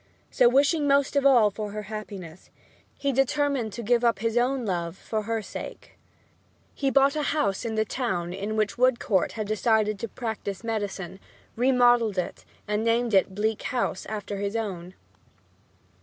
So, wishing most of all her happiness, he determined to give up his own love for her sake. He bought a house in the town in which Woodcourt had decided to practise medicine, remodeled it and named it "Bleak House," after his own.